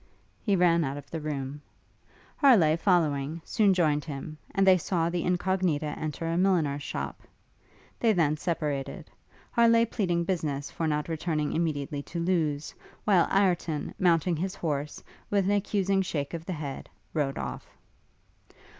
He ran out of the room. Harleigh, following, soon joined him, and they saw the Incognita enter a milliner's shop. They then separated; Harleigh pleading business for not returning immediately to Lewes; while Ireton, mounting his horse, with an accusing shake of the head, rode off.